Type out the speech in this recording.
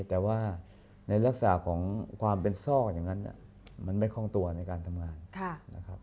แต่ว่าในลักษณะของความเป็นซอกอย่างนั้นมันไม่คล่องตัวในการทำงานนะครับ